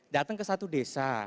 datang ke satu desa